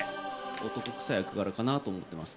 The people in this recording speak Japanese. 男くさい役柄かなと思ってます。